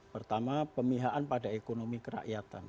pertama pemihaan pada ekonomi kerakyatan